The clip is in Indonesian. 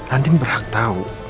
andin berhak tahu